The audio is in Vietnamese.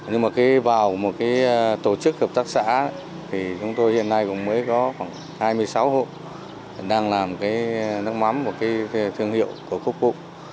nhưng mà vào một tổ chức hợp tác xã chúng tôi hiện nay cũng mới có khoảng hai mươi sáu hộ đang làm nước mắm của thương hiệu của quốc phụ